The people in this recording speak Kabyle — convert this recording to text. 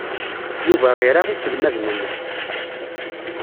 Yuba ira iselmaden-nnes.